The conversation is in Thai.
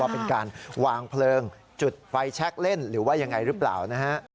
เป็นการวางเพลิงจุดไฟแชคเล่นหรือว่ายังไงหรือเปล่านะฮะ